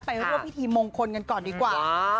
ร่วมพิธีมงคลกันก่อนดีกว่า